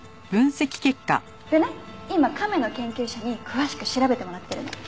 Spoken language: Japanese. でね今亀の研究者に詳しく調べてもらってるの。